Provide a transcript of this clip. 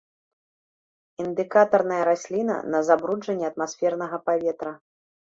Індыкатарная расліна на забруджанне атмасфернага паветра.